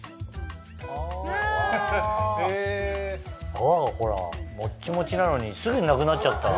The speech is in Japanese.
泡がほらモッチモチなのにすぐなくなっちゃった。